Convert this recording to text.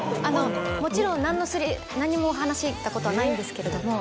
もちろん何も話したことはないんですけれども。